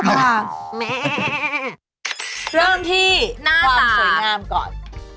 หน้าตาพิธีกร